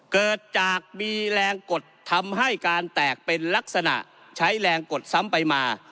เกิดจากมีแรงกดทำให้การแตกเป็นลักษณะใช้แรงกดซ้ำไปมา